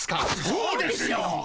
そうですよ！